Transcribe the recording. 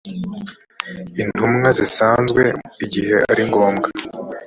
intumwa zisanzwe igihe ari ngombwa